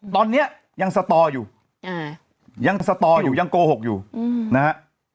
ตอนนี้ยังสตออยู่ยังสตออยู่ยังโกหกอยู่นะฮะ